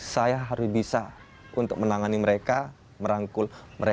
saya harus bisa untuk menangani mereka merangkul mereka